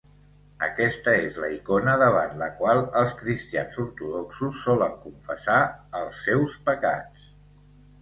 Aquesta és la icona davant la qual els cristians ortodoxos solen confessar els seus pecats.